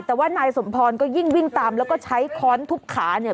แต่ว่านายสมพรก็ยิ่งวิ่งตามแล้วก็ใช้ค้อนทุบขาเนี่ย